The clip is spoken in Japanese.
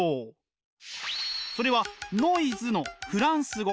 それはノイズのフランス語。